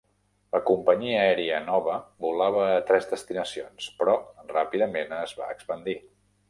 La companyia aèria nova volava a tres destinacions, però ràpidament es va expandir.